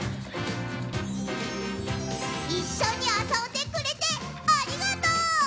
いっしょにあそんでくれてありがとう！